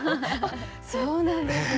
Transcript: そうなんですね。